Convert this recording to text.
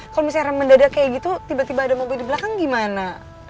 kalau misalnya mendadak kayak gitu tiba tiba ada mobil di belakang gimana